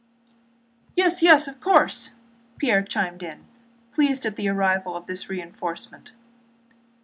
"Yes, yes, of course!" Pierre chimed in, pleased at the arrival of this reinforcement.